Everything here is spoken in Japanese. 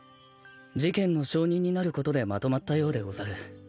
事件の証人になることでまとまったようでござる。